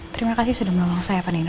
terima kasih sudah membantu saya pak nino